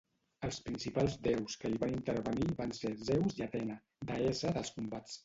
Els principals déus que hi van intervenir van ser Zeus i Atena, deessa dels combats.